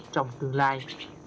trong tương lai